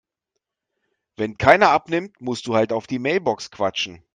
Wenn keiner abnimmt, musst du halt auf die Mailbox quatschen.